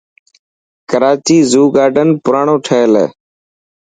ڪراچي زو گارڊن پراڻو ٺهيل هي.